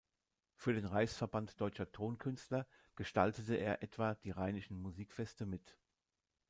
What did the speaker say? Für den Reichsverband Deutscher Tonkünstler gestaltete er etwa die Rheinischen Musikfeste mit.